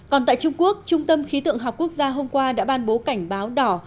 còn tại trung quốc trung tâm khí tượng học quốc gia hôm qua đã ban bố cảnh báo đỏ